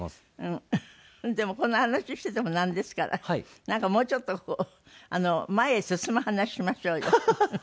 でもこの話しててもなんですからなんかもうちょっとこう前へ進む話しましょうよ。ハハハ！